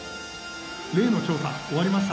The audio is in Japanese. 例の調査終わりました。